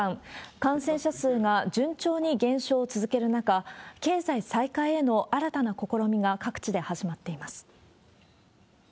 感染者数が順調に減少を続ける中、経済再開への新たな試みが各地で始まっています。